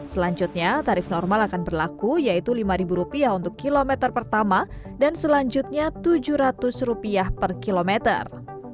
selanjutnya tarif normal akan berlaku yaitu rp lima untuk kilometer pertama dan selanjutnya rp tujuh ratus per kilometer